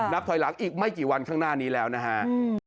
ถอยหลังอีกไม่กี่วันข้างหน้านี้แล้วนะฮะ